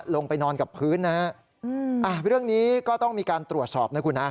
ลงไปนอนกับพื้นนะฮะเรื่องนี้ก็ต้องมีการตรวจสอบนะคุณฮะ